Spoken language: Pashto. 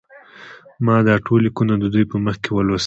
ما دا ټول لیکونه د دوی په مخ کې ولوستل.